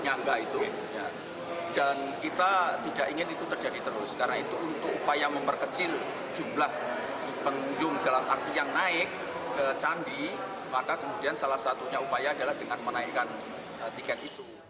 yang diusulkan oleh menteri koordinator kemaritiman dan investasi luhut bin sarpanjaitan